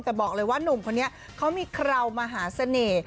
แต่บอกเลยว่านุ่มคนนี้เขามีคราวมหาเสน่ห์